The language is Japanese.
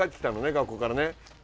学校からね。